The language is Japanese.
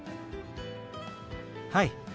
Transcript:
はい。